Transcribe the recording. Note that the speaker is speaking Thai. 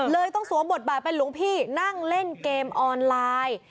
ต้องสวมบทบาทเป็นหลวงพี่นั่งเล่นเกมออนไลน์